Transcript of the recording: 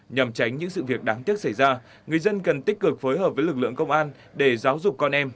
nhằm tránh những sự việc đáng tiếc xảy ra người dân cần tích cực phối hợp với lực lượng công an để giáo dục con em